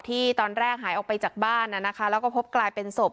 ที่ตอนแรกหายออกไปจากบ้านแล้วก็พบกลายเป็นศพ